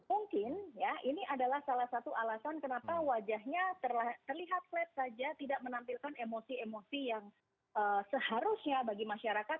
mungkin ya ini adalah salah satu alasan kenapa wajahnya terlihat flat saja tidak menampilkan emosi emosi yang seharusnya bagi masyarakat